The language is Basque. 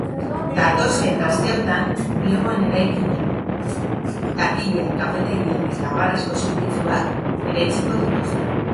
Datozen asteotan bulegoen erakinak, takilak, kafetegiak eta abarreko zerbitzuak eraitsiko dituzte.